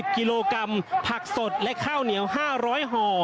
กิโลกรัมผักสดและข้าวเหนียว๕๐๐ห่อ